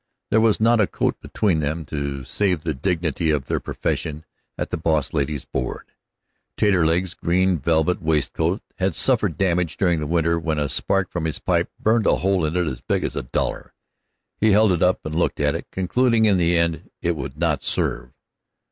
There was not a coat between them to save the dignity of their profession at the boss lady's board. Taterleg's green velvet waistcoat had suffered damage during the winter when a spark from his pipe burned a hole in it as big as a dollar. He held it up and looked at it, concluding in the end that it would not serve.